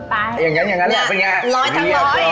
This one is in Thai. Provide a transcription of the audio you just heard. อย่างนั้นหรอเป็นยังไง